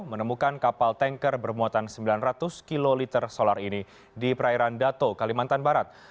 menemukan kapal tanker bermuatan sembilan ratus kiloliter solar ini di perairan dato kalimantan barat